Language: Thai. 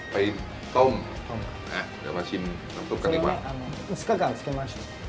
ไปต้มต้มอ่ะเดี๋ยวมาชิมน้ำซุปกันดีกว่า